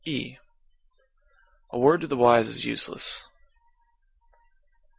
E A word to the wise is useless.